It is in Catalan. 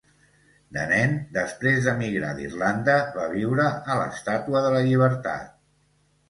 De nen, després d'emigrar d'Irlanda, va viure a l'estàtua de la Llibertat.